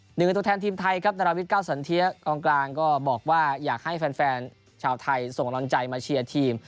หนึ่งในตัวแทนทีมไทยครับนาราวิทเก้าสันเทียกองกลางก็บอกว่าอยากให้แฟนชาวไทยส่งกำลังใจมาเชียร์ทีม